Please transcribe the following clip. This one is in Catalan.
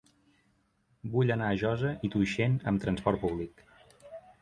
Vull anar a Josa i Tuixén amb trasport públic.